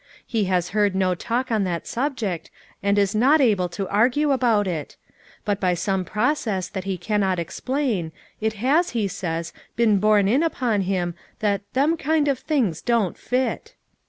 He has heard no talk on that subject, and is not able to argue FOUE MOTHEES AT CHAUTAUQUA 325 about it; but by some process that he cannot explain it has, he says, been borne in upon him that 'them kind of things don't fit.